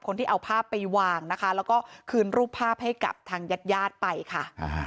คนที่เอาภาพไปวางนะคะแล้วก็คืนรูปภาพให้กับทางญาติญาติไปค่ะ